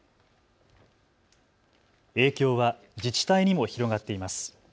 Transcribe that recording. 影響は自治体にも広がっています。